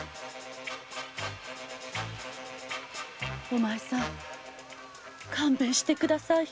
お前さん勘弁して下さい。